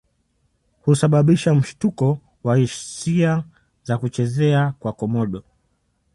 Husababisha mshtuko wa hisia za kuchezea kwa Komodo